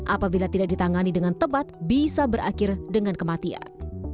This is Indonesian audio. apabila tidak ditangani dengan tepat bisa berakhir dengan kematian